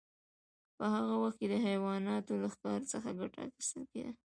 په هغه وخت کې د حیواناتو له ښکار څخه ګټه اخیستل کیده.